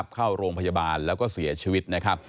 เข้าโรงพยาบาลแลก็เสียชีวิต